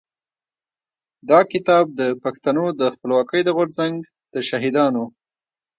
دا کتاب د پښتنو د خپلواکۍ د غورځنګ د شهيدانو.